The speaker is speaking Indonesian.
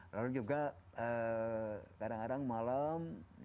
lalu juga kadang kadang malam